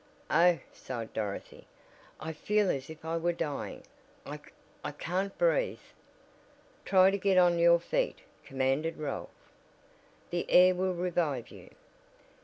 "Oh!" sighed Dorothy. "I feel as if I were dying! I I can't breathe!" "Try to get on your feet," commanded Ralph. "The air will revive you!"